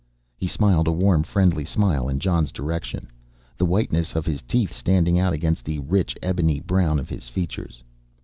He smiled a warm, friendly smile in Jon's direction, the whiteness of his teeth standing out against the rich ebony brown of his features.